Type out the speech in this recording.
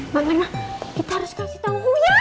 mbak nena kita harus kasih tahu uya